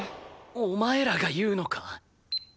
お前らが言うのか！？